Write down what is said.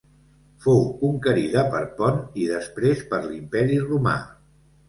Fou conquerida per Pont i després per l'Imperi Romà.